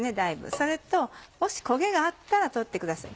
それともし焦げがあったら取ってください。